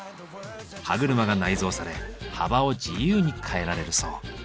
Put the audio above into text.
歯車が内蔵され幅を自由に変えられるそう。